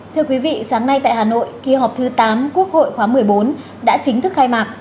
thưa quý vị sáng nay tại hà nội kỳ họp thứ tám quốc hội khóa một mươi bốn đã chính thức khai mạc